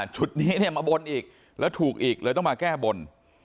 จุดนี้เนี่ยมาบนอีกแล้วถูกอีกเลยต้องมาแก้บน